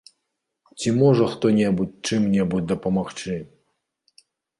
Ці можа хто небудзь чым-небудзь дапамагчы?